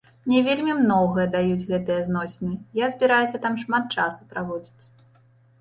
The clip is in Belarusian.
Мне вельмі многае даюць гэтыя зносіны, я збіраюся там шмат часу праводзіць.